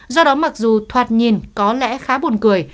do đó mặc dù thoạt nhìn có lẽ khá buồn cười